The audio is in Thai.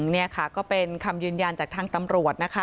นี่ค่ะก็เป็นคำยืนยันจากทางตำรวจนะคะ